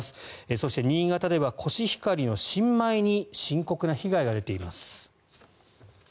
そして新潟ではコシヒカリの新米に深刻な被害が出ています。